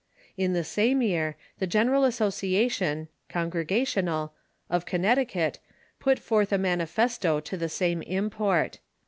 In the same year, the General Association (Congregational) of Connecticut ])ut forth a manifesto to the same import.